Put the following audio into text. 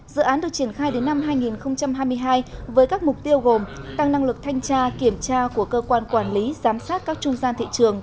dự án được triển khai đến năm hai nghìn hai mươi hai với các mục tiêu gồm tăng năng lực thanh tra kiểm tra của cơ quan quản lý giám sát các trung gian thị trường